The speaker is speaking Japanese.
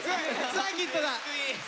サーキット！